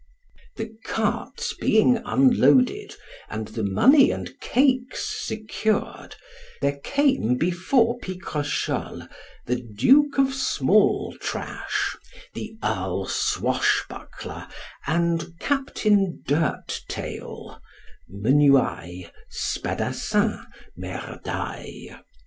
The carts being unloaded, and the money and cakes secured, there came before Picrochole the Duke of Smalltrash, the Earl Swashbuckler, and Captain Dirt tail (Menuail, Spadassin, Merdaille.)